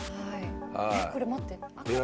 えっこれ待って。